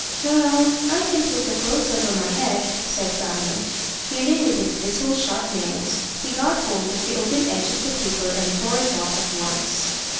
"Well, I can pull the clothes over my head," said Diamond, and feeling with his little sharp nails, he got hold of the open edge of the paper and tore it off at once.